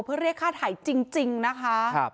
เพื่อเรียกค่าถ่ายจริงนะคะ